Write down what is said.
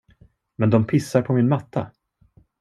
Men de pissar på min matta?